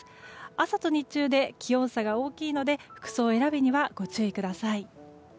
朝と日中で気温差が大きいので服装選びにはご注意ください。